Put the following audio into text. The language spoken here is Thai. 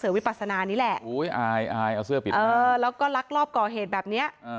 เสือวิปัศนานี่แหละอายเอาเสื้อปิดแล้วแล้วก็ลักลอบก่อเหตุแบบนี้